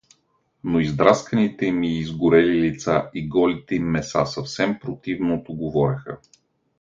Но издрасканите им и изгорели лица и голите им меса съвсем противното говореха.